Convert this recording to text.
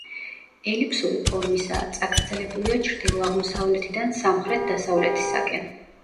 ელიფსური ფორმისაა, წაგრძელებულია ჩრდილო-აღმოსავლეთიდან სამხრეთ-დასავლეთისაკენ.